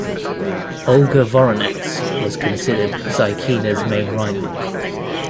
Olga Voronets was considered Zykina's main rival.